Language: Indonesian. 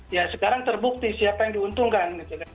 ya sekarang terbukti siapa yang diuntungkan